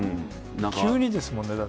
急にですもんね、なんか。